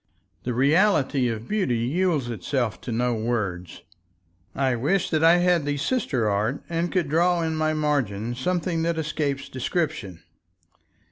The reality of beauty yields itself to no words. I wish that I had the sister art and could draw in my margin something that escapes description.